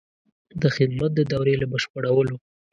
د خدمت د دورې له بشپړولو.